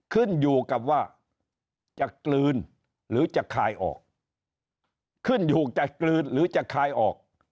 ขึ้นอยู่กับว่าจะกลืนหรือจะคายออกขึ้นอยู่จะกลืนหรือจะคลายออก